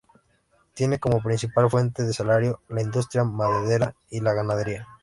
Tiene como principal fuente de salario la industria maderera y la ganadería.